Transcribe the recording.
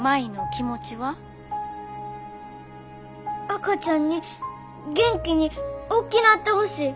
赤ちゃんに元気におっきなってほしい。